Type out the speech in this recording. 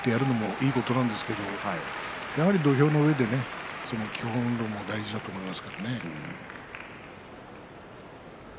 機械に頼ってるのもいいことなんですけれどやはり土俵の上で基本運動も大事だと思います。